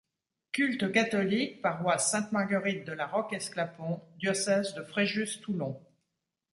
Culte catholique paroisse Sainte-Marguerite de La Roque-Esclapon, Diocèse de Fréjus-Toulon.